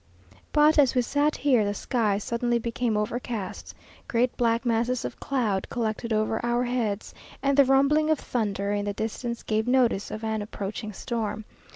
But, as we sat here, the sky suddenly became overcast; great black masses of cloud collected over our heads, and the rumbling of thunder in the distance gave notice of an approaching storm.